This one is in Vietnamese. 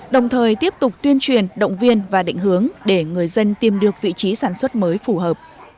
đồng thời tiếp tục tuyên truyền động viên và định hướng để người dân tìm được vị trí sản xuất mới phù hợp